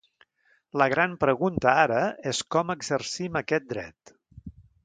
La gran pregunta ara és com exercim aquest dret.